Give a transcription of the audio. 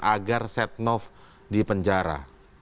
agar setnov di penjara